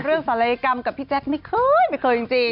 ศัลยกรรมกับพี่แจ๊คไม่เคยไม่เคยจริง